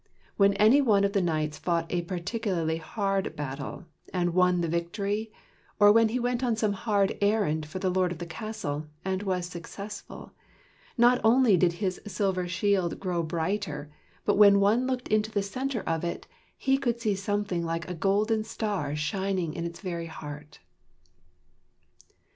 When any one of the knights fought a particularly hard battle, and won the victory, or when he went on some hard errand for the lord of the castle, and was successful, not only did his silver shield grow brighter, but when one looked into the center of it he could see something like a golden star shining in its very heart.